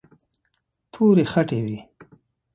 تورې خټې وې.